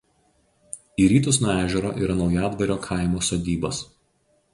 Į rytus nuo ežero yra Naujadvario kaimo sodybos.